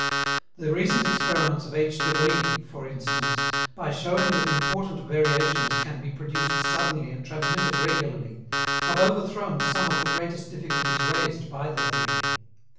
The recent experiments of H. de Vries, for instance, by showing that important variations can be produced suddenly and transmitted regularly, have overthrown some of the greatest difficulties raised by the theory.